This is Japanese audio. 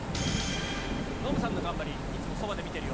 ノブさんの頑張り、いつもそばで見てるよ。